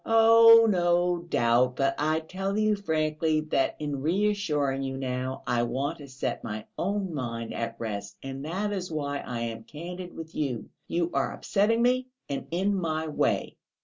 "Oh, no doubt. But I tell you frankly that in reassuring you now, I want to set my own mind at rest, and that is why I am candid with you; you are upsetting me and in my way.